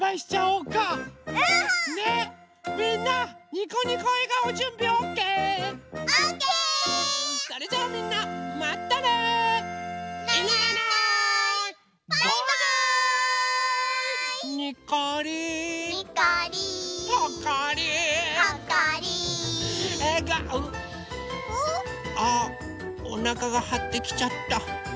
う？あっおなかがはってきちゃった。